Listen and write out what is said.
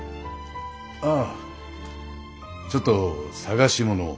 ああちょっと捜し物を。